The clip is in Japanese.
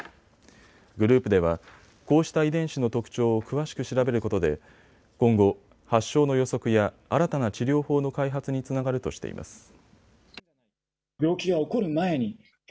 グループではこうした遺伝子の特徴を詳しく調べることで今後、発症の予測や新たな治療法の開発につながるとしています。